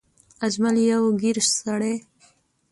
اجمل يو ګېر سړی